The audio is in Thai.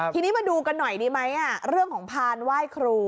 ทีนี้มาดูกันหน่อยดีไหมเรื่องของพานไหว้ครู